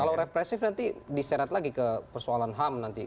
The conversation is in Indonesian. kalau represif nanti diseret lagi ke persoalan ham nanti